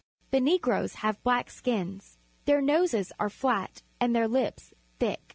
The Negroes have black skins. Their noses are flat and their lips thick.